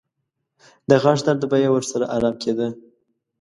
د غاښ درد به یې ورسره ارام کېده.